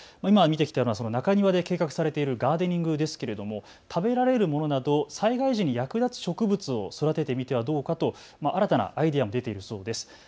中庭で計画されているガーデニングですけれども食べられるものなど災害時に役立つ植物を育ててみてはどうかという新たなアイデアも出ているそうです。